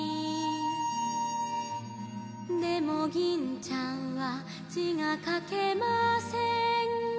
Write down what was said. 「でも銀ちゃんは字が書けません」